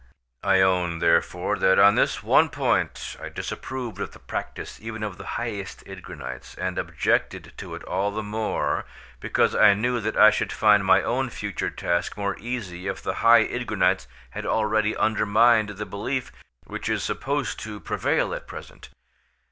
I own, therefore, that on this one point I disapproved of the practice even of the highest Ydgrunites, and objected to it all the more because I knew that I should find my own future task more easy if the high Ydgrunites had already undermined the belief which is supposed to prevail at present.